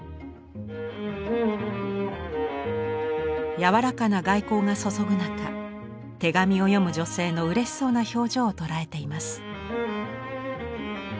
柔らかな外光が注ぐ中手紙を読む女性のうれしそうな表情を捉えています。